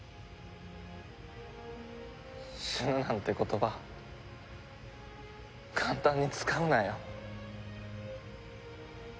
死ぬなんて言葉簡単に使うなよ。